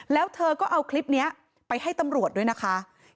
แล้วเธอก็เอาคลิปนี้ไปให้ตำรวจด้วยนะคะ